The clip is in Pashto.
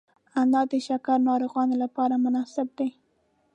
انار د شکر ناروغانو لپاره مناسب دی.